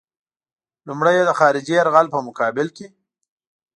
لومړی یې د خارجي یرغل په مقابل کې.